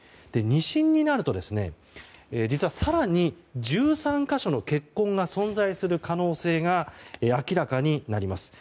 ２審になると実は、更に１３か所の血痕が存在する可能性が明らかになります。